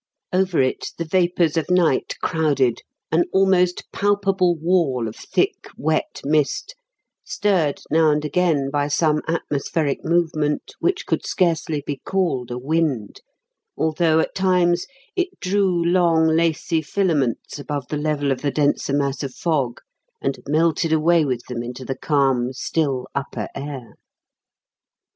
Over it the vapours of night crowded, an almost palpable wall of thick, wet mist, stirred now and again by some atmospheric movement which could scarcely be called a wind, although, at times, it drew long, lacey filaments above the level of the denser mass of fog and melted away with them into the calm, still upper air.